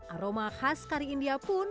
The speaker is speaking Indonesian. aroma khas kari india pun